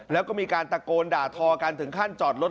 แล้วก็มีการตะโกนด่าทอกันถึงขั้นจอดรถ